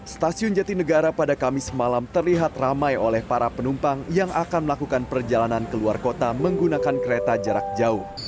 stasiun jatinegara pada kamis malam terlihat ramai oleh para penumpang yang akan melakukan perjalanan ke luar kota menggunakan kereta jarak jauh